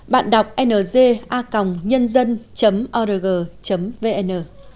bạn đọc nga nhân dân org vn